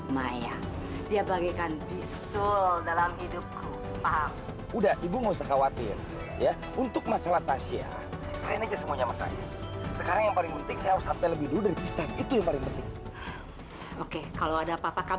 maafkan saya pak saya kehilangan jejak dia pak